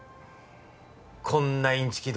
こんなインチキ